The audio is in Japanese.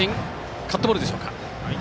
カットボールでしょうか。